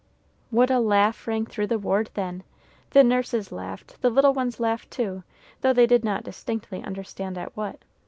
What a laugh rang through the ward then! The nurses laughed, the little ones laughed too, though they did not distinctly understand at what.